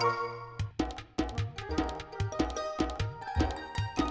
mbak surti kamu sudah berhasil